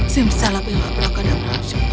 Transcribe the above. jangan lupa untuk berhubung dengan aku